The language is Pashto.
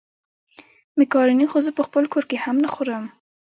مېکاروني خو زه په خپل کور کې هم نه خورم.